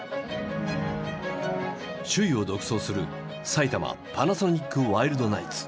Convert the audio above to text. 首位を独走する埼玉パナソニックワイルドナイツ。